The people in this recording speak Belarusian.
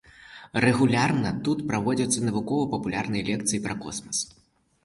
Рэгулярна тут праводзяцца навукова-папулярныя лекцыі пра космас.